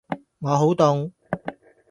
我好凍